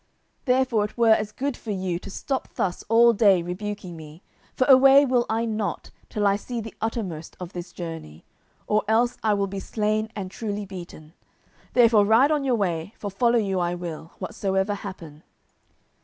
Therefore it were as good for you to stop thus all day rebuking me, for away will I not till I see the uttermost of this journey, or else I will be slain or truly beaten; therefore ride on your way, for follow you I will, whatsoever happen."